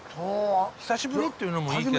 久しぶりっていうのもいいけど。